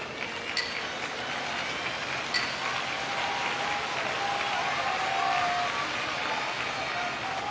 拍手